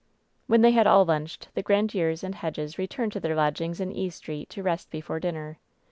When they had all lunched the Grandieres and Hedges returned to their lodgings in E Street to rest before dinner.